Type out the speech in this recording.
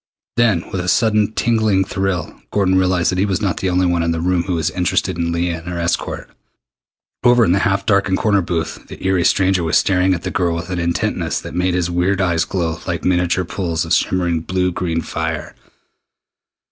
Then, with a sudden tingling thrill, Gordon realized that he was not the only one in the room who was interested in Leah and her escort. Over in the half darkened corner booth the eery stranger was staring at the girl with an intentness that made his weird eyes glow like miniature pools of shimmering blue green fire.